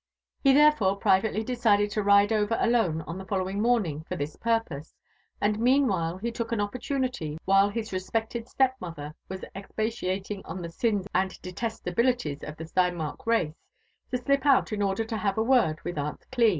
He therefore privately decided to ride over alone on the following morning for this purpose ; and meanwhile he took an opportunity, while his respected stepmother was expatiating on the sins ^ and detestabilities of the Steinmark race, to slip out in order to have a word with Aunt Cli.